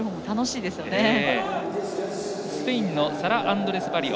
スペインのアンドレスバリオ。